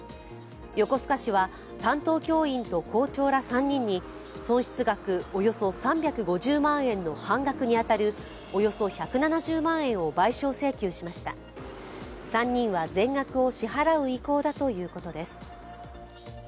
横須賀市は担当教員と校長ら３人に損失額およそ３５０万円の半額に当たる、およそ１７０万円を賠償請求しました３人は全額を支払う意向だということです。